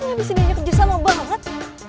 ini abis ini aja keju sama banget